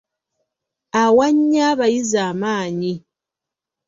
Awa nnyo abayizi amaanyi.